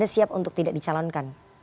siap untuk tidak dicalonkan